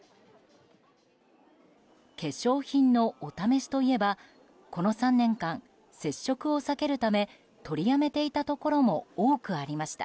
化粧品のお試しといえばこの３年間接触を避けるため取りやめていたところも多くありました。